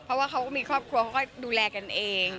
เพราะว่าเขาก็มีครอบครัวเขาก็ดูแลกันเอง